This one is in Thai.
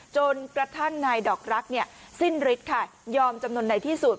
จนกระทั่งนายดอกรักสิ้นฤทธิ์ค่ะยอมจำนวนในที่สุด